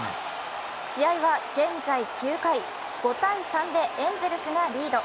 試合は現在９回、５−３でエンゼルスがリード。